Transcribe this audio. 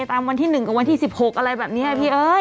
ตามวันที่๑กับวันที่๑๖อะไรแบบนี้พี่เอ้ย